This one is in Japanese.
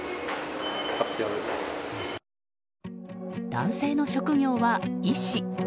男性の職業は医師。